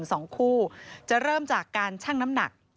สองคู่จะเริ่มจากการชั่งน้ำหนัก